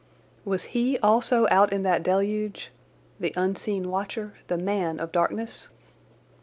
Was he also out in that deluged—the unseen watcher, the man of darkness?